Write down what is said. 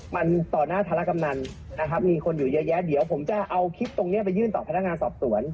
มันต่อหน้าธารกำนันนะครับมีคนอยู่เยอะแยะเดี๋ยวผมจะเอาคลิปตรงนี้ไปยื่นต่อพนักงานสอบสวน